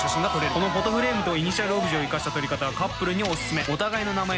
このフォトフレームとイニシャルオブジェをいかした撮り方はカップルにオススメ！